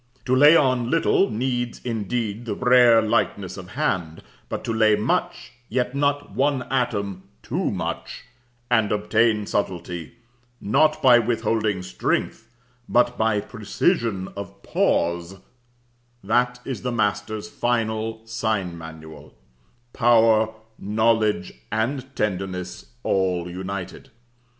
To lay on little needs indeed the rare lightness of hand; but to lay much, yet not one atom too much, and obtain subtlety, not by withholding strength, but by precision of pause, that is the master's final sign manual power, knowledge, and tenderness all united.